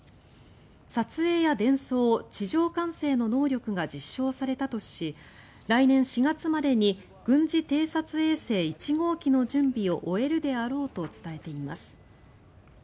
撮影や伝送、地上管制の能力が実証されたとし来年４月までに軍事偵察衛星１号機の準備を終えるであろうと伝えています。